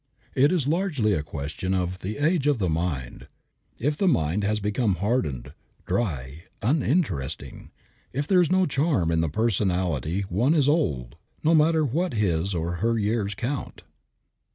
It is largely a question of the age of the mind. If the mind has become hardened, dry, uninteresting, if there is no charm in the personality one is old, no matter what his or her years count.